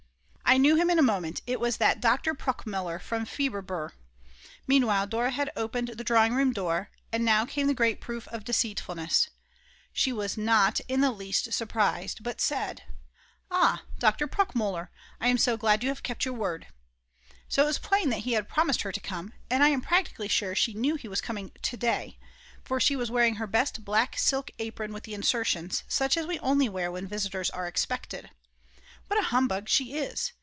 I knew him in a moment, it was that Dr. Pruckmuller from Fieberbr. Meanwhile Dora had opened the drawing room door, and now came the great proof of deceitfulness: She was not in the least surprised, but said: "Ah, Dr. Pruckmuller, I am so glad you have kept your word." So it was plain that he had promised her to come, and I am practically sure she knew he was coming to day, for she was wearing her best black silk apron with the insertions, such as we only wear when visitors are expected. What a humbug she is!